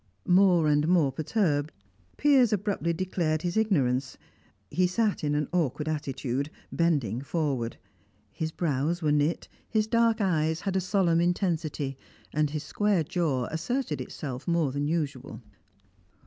More and more perturbed, Piers abruptly declared his ignorance; he sat in an awkward attitude, bending forward; his brows were knit, his dark eyes had a solemn intensity, and his square jaw asserted itself more than usual.